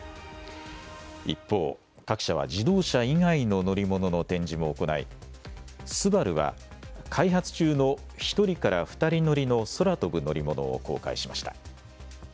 一方、各社は自動車以外の乗り物の展示も行い、ＳＵＢＡＲＵは開発中の１人から２人乗りの空飛ぶ乗り物を公開しました。